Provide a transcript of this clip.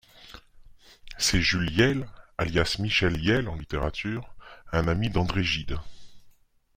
C’est Jules Iehl, alias Michel Yell en littérature, un ami d'André Gide.